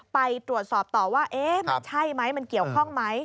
ไปตรวจสอบต่อว่ามันใช่ไหมมันเกี่ยวข้องไหม